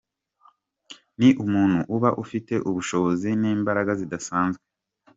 Ni umuntu uba ufite ubushobozi n’imbara zidasanzwe.